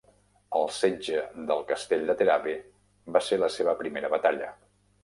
El setge del castell de Terabe va ser la seva primera batalla.